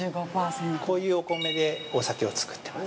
こういうお米でお酒を造ってます。